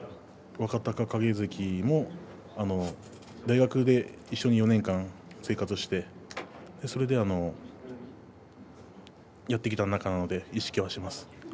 若隆景関も大学で一緒に４年間、生活をしてそれでやってきた仲なので意識はしています。